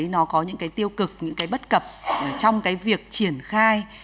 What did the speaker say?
nó có những cái tiêu cực những cái bất cập trong cái việc triển khai